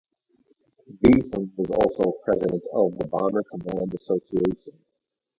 Beetham was also President of the Bomber Command Association.